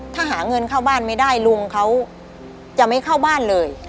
ถ้าหาเงินเข้าบ้านไม่ได้ลุงเขาจะไม่เข้าบ้านเลย